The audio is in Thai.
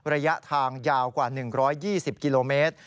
ระยะทางยาวกว่า๑๒๐กิโลเมตร